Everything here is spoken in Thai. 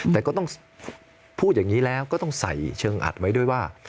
แต่ก็ต้องพูดอย่างนี้แล้วก็ต้องใส่เชิงอัดไว้ด้วยว่า